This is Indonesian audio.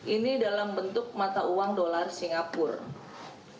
ini dalam bentuk mata uang dolar singapura